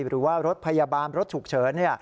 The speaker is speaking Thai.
หรือว่ารถพยาบาลรถฉุกเฉิน